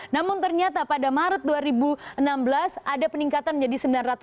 namun ternyata pada maret dua ribu enam belas ada peningkatan menjadi sembilan ratus sembilan puluh